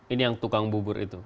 ini yang tukang bubur itu